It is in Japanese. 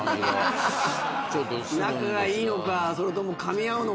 仲がいいのかそれともかみ合うのか。